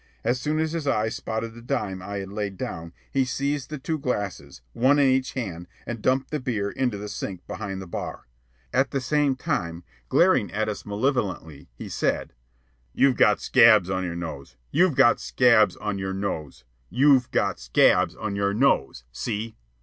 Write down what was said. As soon as his eyes spotted the dime I had laid down, he seized the two glasses, one in each hand, and dumped the beer into the sink behind the bar. At the same time, glaring at us malevolently, he said: "You've got scabs on your nose. You've got scabs on your nose. You've got scabs on your nose. See!"